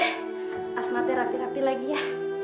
rasma terapi rapi lagi ya